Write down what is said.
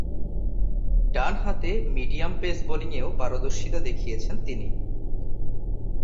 ডানহাতে medium pace বোলিংয়েও পারদর্শিতা দেখিয়েছেন তিনি।